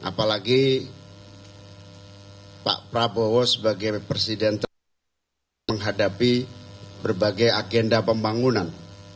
apalagi pak prabowo sebagai presiden menghadapi berbagai agenda pembangunan